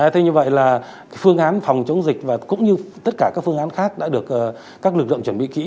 thế như vậy là phương án phòng chống dịch và cũng như tất cả các phương án khác đã được các lực lượng chuẩn bị kỹ